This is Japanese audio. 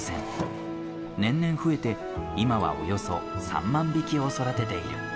年々増えて今はおよそ３万匹を育てている。